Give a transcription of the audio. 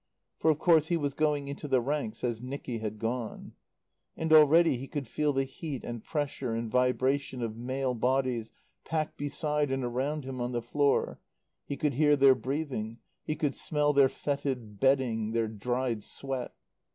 For of course he was going into the ranks as Nicky had gone. And already he could feel the heat and pressure and vibration of male bodies packed beside and around him on the floor; he could hear their breathing; he could smell their fetid bedding, their dried sweat.